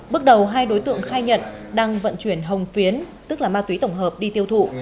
bước đầu hai đối tượng khai nhận đang vận chuyển hồng phiến tức là ma túy tổng hợp đi tiêu thụ